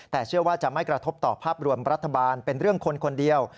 แต่เชื่อว่าจะไม่กระทบต่อภาพรวมรัฐบาลเป็นเรื่องคนคนเดียว